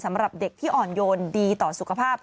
สำหรับเด็กที่อ่อนโยนดีต่อสุขภาพ